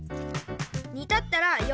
にたったらよ